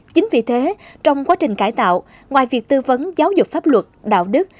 chính vì thế trong quá trình cải tạo ngoài việc tư vấn giáo dục pháp luật đạo đức